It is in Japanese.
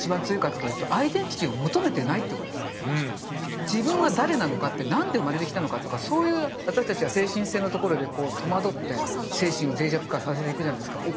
で何が一番強いかというと自分は誰なのかって何で生まれてきたのかとかそういう私たちは精神性のところで戸惑って精神を脆弱化させていくじゃないですか。